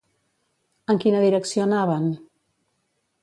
En quina direcció anaven?